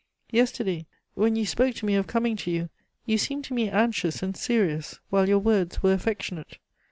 Yesterday, when you spoke to me of coming to you, you seemed to me anxious and serious, while your words were affectionate.